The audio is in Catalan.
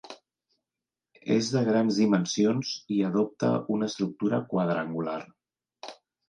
És de grans dimensions i adopta una estructura quadrangular.